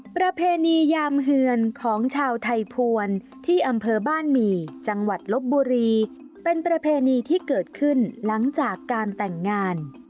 ประเพณียามเฮือนของชาวไทยภวรที่อำเภอบ้านหมี่จังหวัดลบบุรีเป็นประเพณีที่เกิดขึ้นหลังจากการแต่งงาน